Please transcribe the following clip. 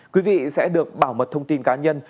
quý vị sẽ được bảo mật thông tin cá nhân